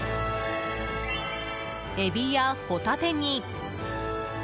エビやホタテに。